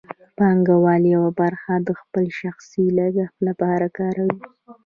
پانګوال یوه برخه د خپل شخصي لګښت لپاره کاروي